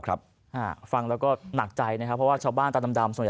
ฟังแล้วก็หนักใจนะครับเพราะว่าชาวบ้านตาดำส่วนใหญ่